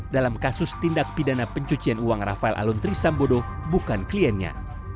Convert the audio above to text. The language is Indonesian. dalam kasus tindak pidana pencucian uang rafael alun trisambodo bukan kliennya